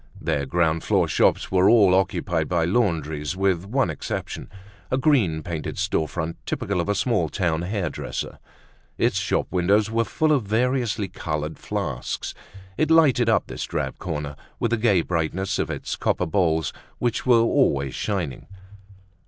Their ground floor shops were all occupied by laundries with one exception—a green painted store front typical of a small town hair dresser. Its shop windows were full of variously colored flasks. It lighted up this drab corner with the gay brightness of its copper bowls which were always shining.